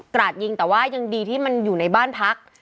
ราดยิงแต่ว่ายังดีที่มันอยู่ในบ้านพัก